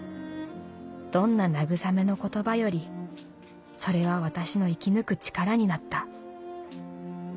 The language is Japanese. どんな慰めの言葉よりそれは私の生き抜く力になった。